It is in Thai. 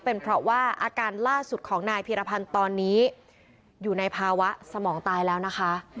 เป็นเพราะว่าอาการล่าสุดของนายพีรพันธ์ตอนนี้อยู่ในภาวะสมองตายแล้วนะคะ